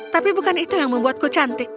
tapi bukan itu yang membuatku cantik